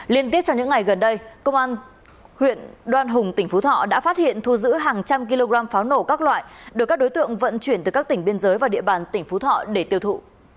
liên tiếp trong những ngày gần đây công an huyện đoan hùng tỉnh phú thọ đã phát hiện thu giữ hàng trăm kg pháo nổ các loại được các đối tượng vận chuyển từ các tỉnh biên giới vào địa bàn tỉnh phú thọ để tiêu thụ